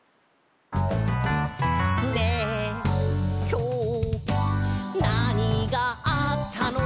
「ねえ、きょう、なにがあったの？」